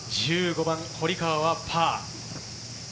１５番、堀川はパー。